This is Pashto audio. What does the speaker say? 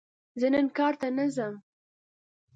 زه نن کار ته نه ځم!